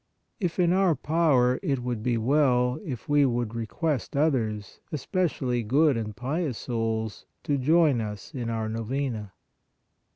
If in our power, it would be well, if we would request others, especially good and pious souls, to join us in our Novena.